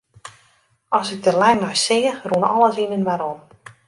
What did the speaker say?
As ik der lang nei seach, rûn alles yninoar om.